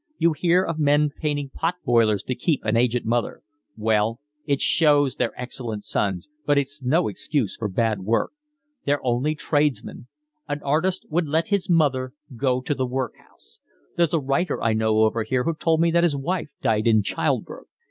You hear of men painting pot boilers to keep an aged mother—well, it shows they're excellent sons, but it's no excuse for bad work. They're only tradesmen. An artist would let his mother go to the workhouse. There's a writer I know over here who told me that his wife died in childbirth.